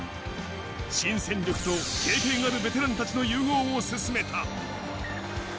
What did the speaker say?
新戦力と経験あるベテランたちの融合を進めた。